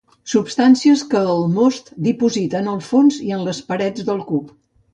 Substàncies que el most diposita en el fons i en les parets del cup.